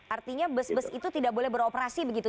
artinya bus bus itu tidak boleh beroperasi begitu